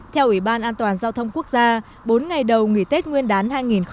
theo ủy ban an toàn giao thông quốc gia bốn ngày đầu nghỉ tết nguyên đán hai nghìn hai mươi